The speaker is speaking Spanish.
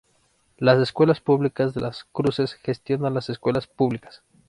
Las Escuelas Públicas de Las Cruces gestiona las escuelas públicas.